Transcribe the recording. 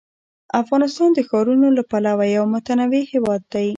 افغانستان د ښارونو له پلوه یو متنوع هېواد دی.